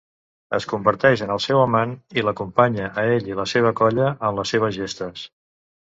Es converteix en el seu amant, i l"acompanya a ell i la seva colla en les seves gestes.